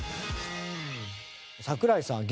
桜井さん